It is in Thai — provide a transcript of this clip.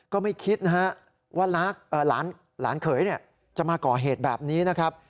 ก็ไม่คิดนะฮะว่าหลานเขยจะมาก่อเหตุแบบนี้นะครับ